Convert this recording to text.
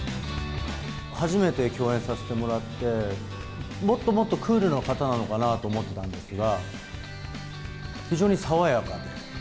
初めて共演させてもらって、もっともっとクールな方なのかなと思ってたんですが、非常にさわやか。